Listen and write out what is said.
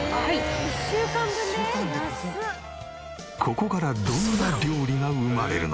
ここからどんな料理が生まれるのか？